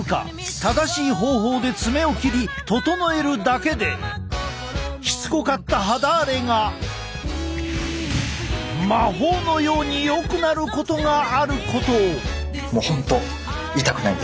正しい方法で爪を切り整えるだけでしつこかった肌荒れが魔法のようによくなることがあることを！